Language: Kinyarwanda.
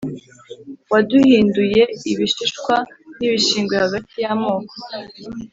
Waduhinduye ibishishwa n’ibishingwe hagati y’amoko,